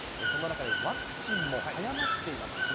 そんな中でワクチンも早まっています。